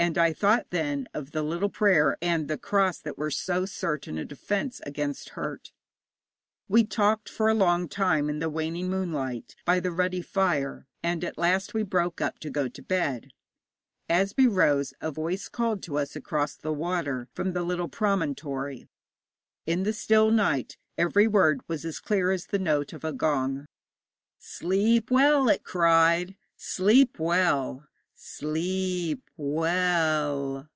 And I thought then of the little prayer and the cross that were so certain a defence against hurt. We talked for a long time in the waning moonlight by the ruddy fire, and at last we broke up to go to bed. As we rose a voice called to us across the water from the little promontory. In the still night every word was as clear as the note of a gong. 'Sleep well,' it cried 'sleep well sle e ep we l l.'